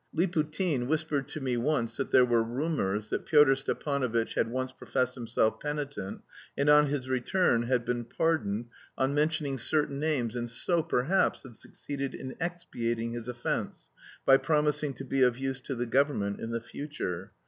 Liputin whispered to me once that there were rumours that Pyotr Stepanovitch had once professed himself penitent, and on his return had been pardoned on mentioning certain names and so, perhaps, had succeeded in expiating his offence, by promising to be of use to the government in the future.